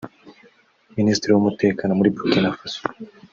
Minisitiri w’Umutekano muri Burkina Faso